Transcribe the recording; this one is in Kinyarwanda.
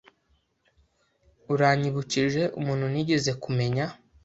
Uranyibukije umuntu nigeze kumenya.